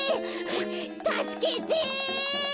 たすけて！